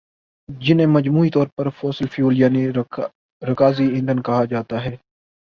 جنہیں مجموعی طور پر فوسل فیول یعنی رکازی ایندھن کہا جاتا ہے